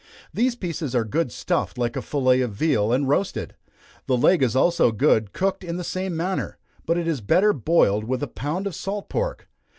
These pieces are good stuffed like a fillet of veal, and roasted. The leg is also good, cooked in the same manner; but it is better boiled with a pound of salt pork.